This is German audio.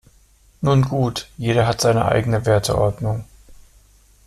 Nun gut, jeder hat seine eigene Werteordnung.